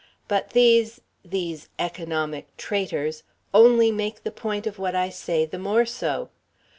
But these these economic traitors only make the point of what I say the more so.